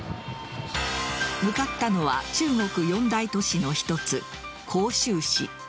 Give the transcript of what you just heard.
向かったのは中国四大都市の一つ・広州市。